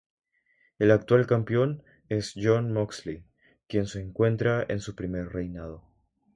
El actual campeón es Jon Moxley quien se encuentra en su primer reinado.